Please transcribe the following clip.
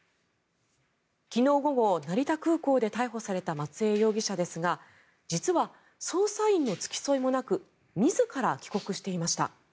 昨日午後、成田空港で逮捕された松江容疑者ですが実は捜査員の付き添いもなく自ら帰国していました。